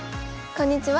こんにちは。